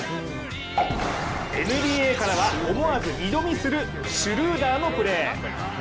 ＮＢＡからは思わず二度見する、シュルーダーのプレー。